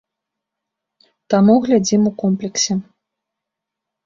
Таму глядзім у комплексе.